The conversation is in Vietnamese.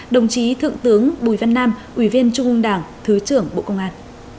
đồng chí thượng tướng bùi văn nam ủy viên trung ương đảng thứ trưởng bộ công an